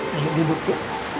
duduk duduk ya